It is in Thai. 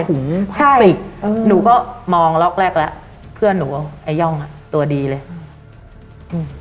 หยิบถุงใช่หนูก็มองล็อกแรกละเพื่อนหนูไอ้ย่องตัวดีเลยเอือ